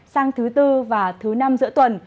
sang thứ bốn và thứ năm giữa tuần